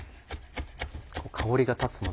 香りが立つもの